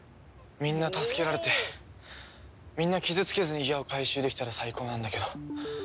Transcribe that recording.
みんな助けられてみんな傷つけずにギアを回収できたら最高なんだけど。